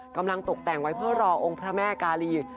ตกแต่งไว้เพื่อรอองค์พระแม่กาลี